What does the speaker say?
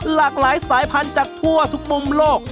หลากหลายสายพันธุ์จากทั่วทุกมุมโลก